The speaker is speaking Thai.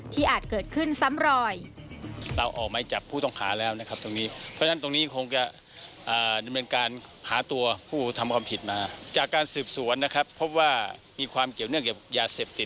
อาจเกิดขึ้นซ้ำรอย